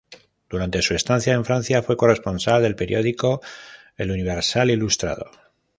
Durante su estancia en Francia, fue corresponsal del periódico "El Universal Ilustrado".